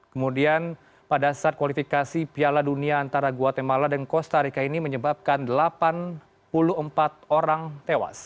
kemudian pada saat kualifikasi piala dunia antara guatemala dan costa rica ini menyebabkan delapan puluh empat orang tewas